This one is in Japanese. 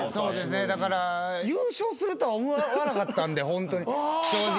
優勝するとは思わなかったんでホントに正直。